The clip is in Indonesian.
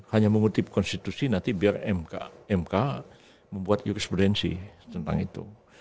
hanya mengutip konstitusi nanti biar mk membuat jurisprudensi tentang itu